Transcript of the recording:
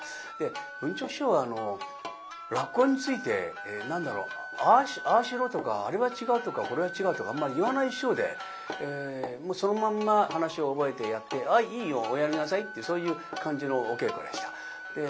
文朝師匠は落語について何だろうああしろとかあれは違うとかこれは違うとかあんまり言わない師匠でそのまんま噺を覚えてやって「ああいいよ。おやりなさい」っていうそういう感じのお稽古でした。